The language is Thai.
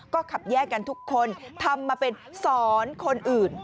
ก็ขับแยกกันทุกคนทำมาเป็นสอนคนอื่น